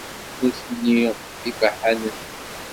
Nutni d ibaḥanen.